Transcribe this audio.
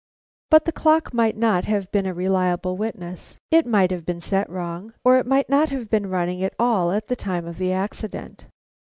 But the clock might not have been a reliable witness. It might have been set wrong, or it might not have been running at all at the time of the accident.